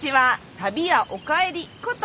旅屋おかえりこと